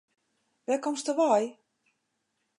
Wêr komsto wei?